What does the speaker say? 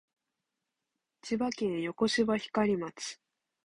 千葉県横芝光町